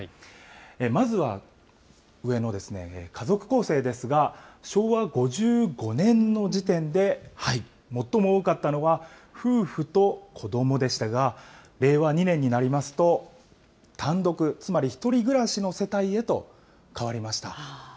まずは上の家族構成ですが、昭和５５年の時点で最も多かったのは夫婦と子どもでしたが、令和２年になりますと単独、つまり１人暮らしの世帯へと変わりました。